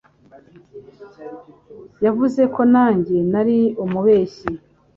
Yavuze ko nanjye nari umubeshyi,